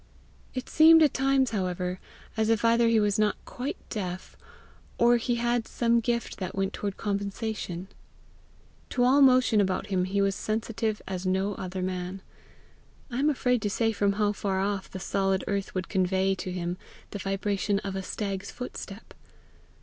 It seemed at times, however, as if either he was not quite deaf, or he had some gift that went toward compensation. To all motion about him he was sensitive as no other man. I am afraid to say from how far off the solid earth would convey to him the vibration of a stag's footstep.